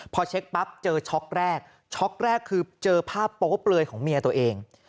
พอเช็คปั๊บเจอช็อกแรกช็อกแรกคือเจอภาพโป๊เปลือยของเมียตัวเอง